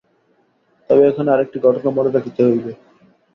তবে এখানে আর একটি ঘটনা মনে রাখিতে হইবে।